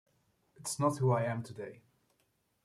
It's not who I am today.